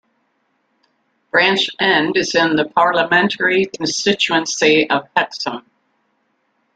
Branch End is in the parliamentary constituency of Hexham.